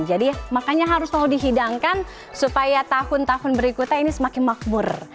jadi makanya harus selalu dihidangkan supaya tahun tahun berikutnya ini semakin makmur